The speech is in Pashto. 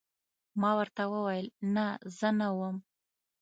ما ورته وویل: نه، زه نه وم.